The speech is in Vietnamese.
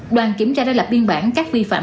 đoàn kiểm tra đã lập biên bản các vi phạm